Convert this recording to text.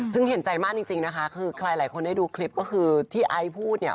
ซึ่งเห็นใจมากจริงนะคะคือใครหลายคนได้ดูคลิปก็คือที่ไอซ์พูดเนี่ย